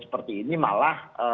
seperti ini malah